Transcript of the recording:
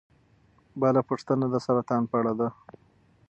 بله پوښتنه د سرطان په اړه ده.